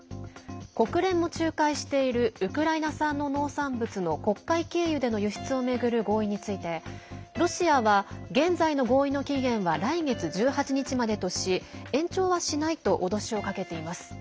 国連も仲介しているウクライナ産の農産物の黒海経由での輸出を巡る合意についてロシアは現在の合意の期限は来月１８日までとし延長はしないと脅しをかけています。